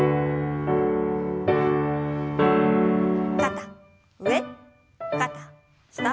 肩上肩下。